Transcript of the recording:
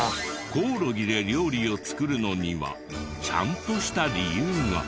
コオロギで料理を作るのにはちゃんとした理由が。